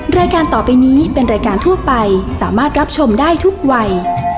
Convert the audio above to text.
รายการต่อไปนี้เป็นรายการทั่วไปสามารถรับชมได้ทุกวัย